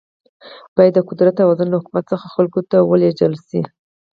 باید د قدرت توازن له حکومت څخه خلکو ته ولیږدول شي.